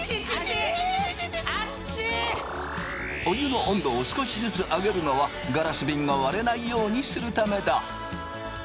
お湯の温度を少しずつ上げるのはガラスびんが割れないようにするためだ。